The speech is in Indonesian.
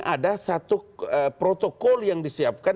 ada satu protokol yang disiapkan